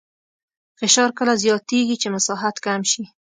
فشار کله زیاتېږي چې مساحت کم شي.